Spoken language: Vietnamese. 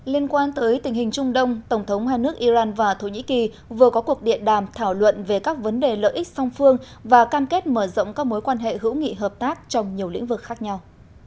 liên quan tới tình hình trung đông tổng thống hai nước iran và thổ nhĩ kỳ vừa có cuộc điện đàm thảo luận về các vấn đề lợi ích song phương và cam kết mở rộng các mối quan hệ hữu nghị hợp tác trong nhiều lĩnh vực khác nhau